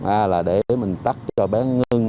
à là để mình tắt cho bé ngưng